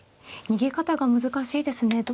逃げ方が難しいですね。